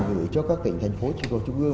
gửi cho các tỉnh thành phố trung tộc trung ương